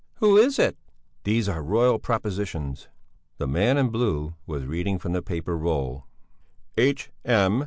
"Who is it?" "These are Royal propositions." The man in blue was reading from the paper roll: "H.M.